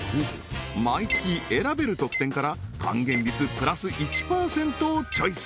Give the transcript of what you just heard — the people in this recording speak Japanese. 毎月選べる特典から「還元率＋１％」をチョイス